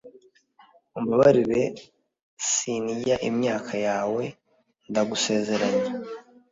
mumbabarire sinzaryaimyaka yawe ndagusezeranya